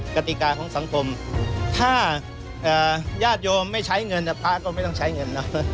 กติกาของสังคมถ้าญาติโยมไม่ใช้เงินพระก็ไม่ต้องใช้เงินนะ